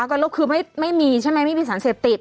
ก็คือไม่มีใช่ไหมไม่มีสารเสพติด